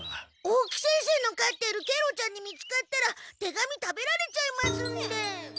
大木先生のかってるケロちゃんに見つかったら手紙食べられちゃいますんで。